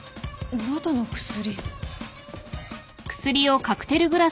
喉の薬？